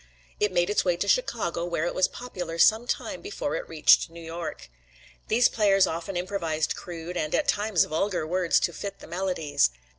It made its way to Chicago, where it was popular some time before it reached New York. These players often improvised crude and, at times, vulgar words to fit the melodies.